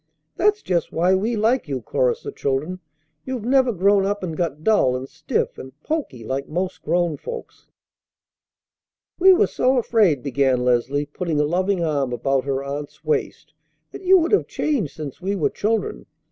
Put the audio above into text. "That's just why we like you," chorused the children. "You've never grown up and got dull and stiff and poky like most grown folks." "We were so afraid," began Leslie, putting a loving arm about her aunt's waist, "that you would have changed since we were children.